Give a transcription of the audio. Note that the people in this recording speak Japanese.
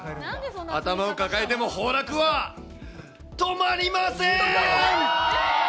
頭を抱えても崩落は止まりません。